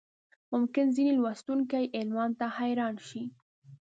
ممکن ځینې لوستونکي عنوان ته حیران شي.